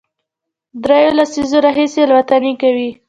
درېیو لسیزو راهیسې الوتنې کوي،